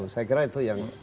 saya kira itu yang